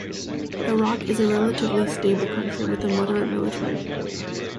Iraq is a relatively stable country with a moderate military.